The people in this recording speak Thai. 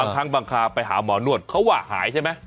บางครั้งบางคราไปหาหมอนวดเขาว่าหายใช่ไหม